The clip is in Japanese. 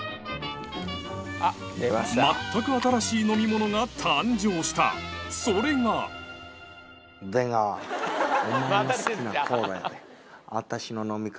全く新しい飲み物が誕生したそれが怒るのよ